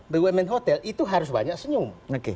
bumn hotel itu harus banyak senyum